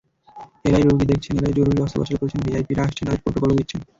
এঁরাই রোগী দেখছেন, এঁরাই জরুরি অস্ত্রোপচার করছেন, ভিআইপিরা আসছেন, তাঁদের প্রটোকলও দিচ্ছেন।